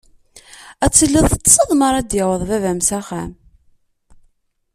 Ad tiliḍ teṭṭseḍ mara d-yaweḍ baba-m s axxam.